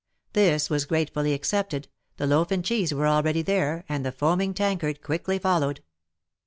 This was gratefully accepted, the loaf and cheese were already there, and the foaming tankard quickly fol lowed.